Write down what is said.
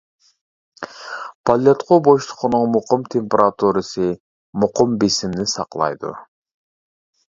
بالىياتقۇ بوشلۇقىنىڭ مۇقىم تېمپېراتۇرىسى، مۇقىم بېسىمىنى ساقلايدۇ.